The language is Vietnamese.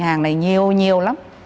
và tác nhiên như sau